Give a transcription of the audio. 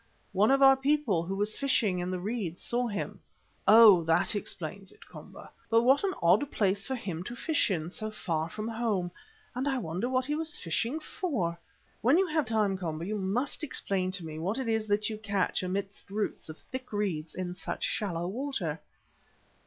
"One of our people who was fishing in the reeds saw him." "Oh! that explains it, Komba. But what an odd place for him to fish in; so far from home; and I wonder what he was fishing for. When you have time, Komba, you must explain to me what it is that you catch amidst the roots of thick reeds in such shallow water."